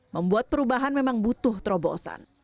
membuat perubahan memang butuh terobosan